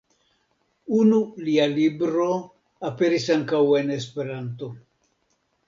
Unu lia libro aperis ankaŭ en esperanto.